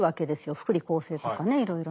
福利厚生とかねいろいろな。